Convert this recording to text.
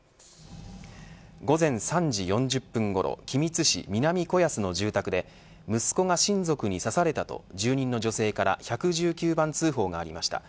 午前３時４０分ごろ君津市南子安の住宅で息子が親族に刺されたと住人の女性から１１９番通報がありました。